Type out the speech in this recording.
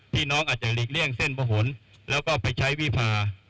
น้องอาจจะหลีกเลี่ยงเส้นประหลแล้วก็ไปใช้วิพา